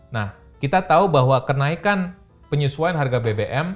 nah kita tahu bahwa kenaikan penyesuaian harga bbm